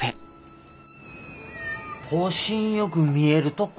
星んよく見えるとこ？